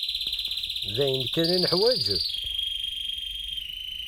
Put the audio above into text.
D ayen kan i nuḥwaǧ?